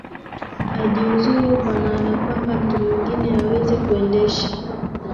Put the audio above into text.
ajiuzulu kwa maana kwamba mtu mwengine aweze kuendesha